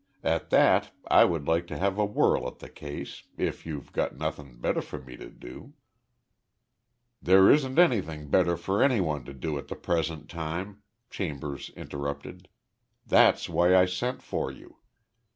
At that, I would like to have a whirl at the case if you've nothing better for me to do " "There isn't anything better for anyone to do at the present time," Chambers interrupted. "That's why I sent for you.